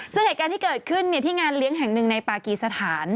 ซึ่งเหตุการณ์ที่เกิดขึ้นที่งานเลี้ยงแห่งหนึ่งในปากีสถาน